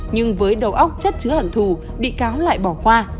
nhưng với đầu óc chất chứa hận thù bị cáo lại bỏ khoa